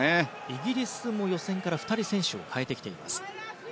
イギリスも予選から２人、選手を変えてきています。